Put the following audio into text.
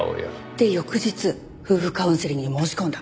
で翌日夫婦カウンセリングに申し込んだ。